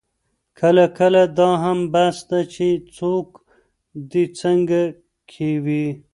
کله کله دا هم بس ده چې څوک دې څنګ کې وي.